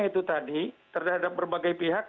itu tadi terhadap berbagai pihak